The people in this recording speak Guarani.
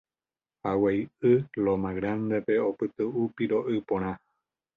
Aguaiʼy Loma Grandepe opytuʼu piroʼy porã.